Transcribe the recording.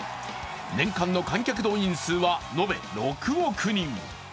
年間の観客動員数は延べ６億人。